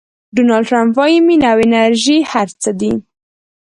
ډونالډ ټرمپ وایي مینه او انرژي هر څه دي.